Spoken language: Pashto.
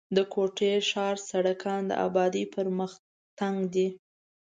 د کوټي ښار سړکان د آبادۍ پر مخ تنګ دي.